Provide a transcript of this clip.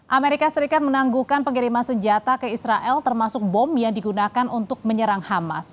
amerika serikat menangguhkan pengiriman senjata ke israel termasuk bom yang digunakan untuk menyerang hamas